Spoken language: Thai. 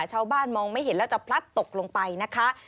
มองไม่เห็นแล้วจะพลัดตกลงไปนะคะ